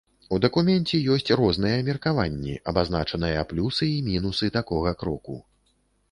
У дакуменце ёсць розныя меркаванні, абазначаныя плюсы і мінусы такога кроку.